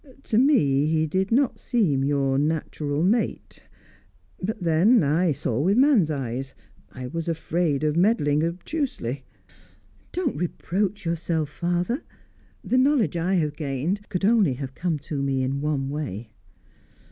To me, he did not seem your natural mate; but then I saw with man's eyes; I was afraid of meddling obtusely." "Don't reproach yourself, father. The knowledge I have gained could only have come to me in one way."